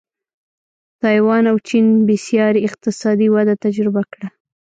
تایوان او چین بېسارې اقتصادي وده تجربه کړه.